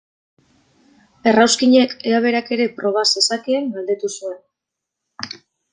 Errauskinek ea berak ere proba zezakeen galdetu zuen.